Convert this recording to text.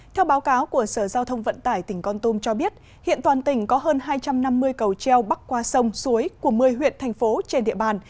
theo báo cáo của sở giao thông vận tải tỉnh con tum cho biết hiện toàn tỉnh có hơn hai trăm năm mươi cầu treo bắc qua sông suối của một mươi huyện thành phố trên địa bàn